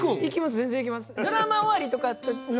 全然行きます。